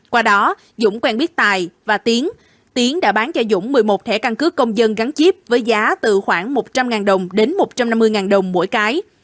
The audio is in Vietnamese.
qua đó dũng quen biết tài và tiến tiến đã bán cho dũng một mươi một thẻ căn cứ công dân gắn chip với giá từ khoảng một trăm linh đồng đến một trăm năm mươi đồng mỗi cái